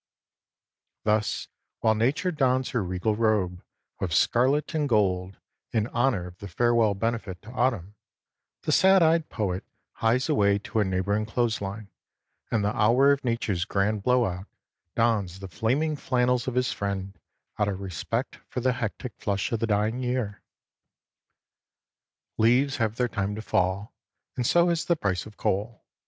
Thus while nature dons her regal robe of scarlet and gold in honor of the farewell benefit to autumn, the sad eyed poet hies away to a neighboring clothes line, and the hour of nature's grand blowout dons the flaming flannels of his friend out of respect for the hectic flush of the dying year. Leaves have their time to fall, and so has the price of coal.